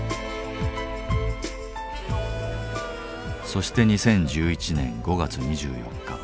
そして２０１１年５月２４日。